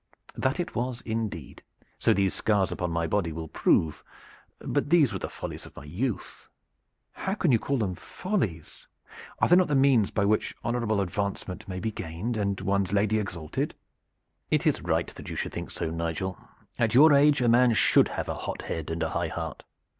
"That it was indeed so these scars upon my body will prove; but these were the follies of my youth." "How can you call them follies? Are they not the means by which honorable advancement may be gained and one's lady exalted?" "It is right that you should think so, Nigel. At your age a man should have a hot head and a high heart.